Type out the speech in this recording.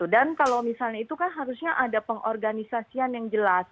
dan kalau misalnya itu kan harusnya ada pengorganisasian yang jelas